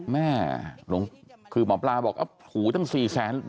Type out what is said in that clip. แม่คือหมอปลาบอกอ้าวหูตั้งสี่แสน